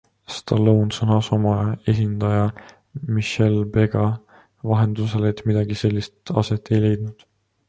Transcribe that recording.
Stallone sõnas oma esindaja Michelle Bega vahendusel, et midagi sellist aset ei leidnud.